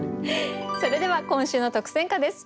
それでは今週の特選歌です。